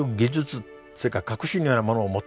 それから確信のようなものを持ってると。